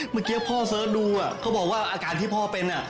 เมื่อกี้พ่อเสิร์ชดูเขาบอกว่าอาการที่พ่อเป็น